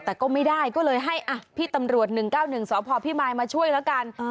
แต่ก็ไม่ได้ก็เลยให้พี่ตำรวจ๑๙๑สพพิมายมาช่วยแล้วกัน